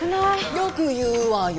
よく言うわよ